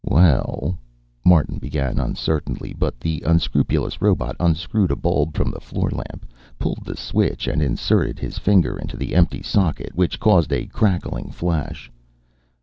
"Well," Martin began uncertainly, but the unscrupulous robot unscrewed a bulb from the floor lamp, pulled the switch, and inserted his finger into the empty socket, which caused a crackling flash.